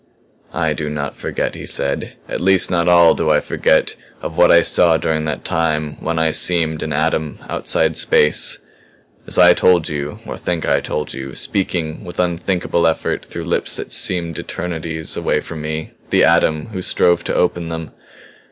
"I do not forget," he said. "At least not all do I forget of what I saw during that time when I seemed an atom outside space as I told you, or think I told you, speaking with unthinkable effort through lips that seemed eternities away from me, the atom, who strove to open them.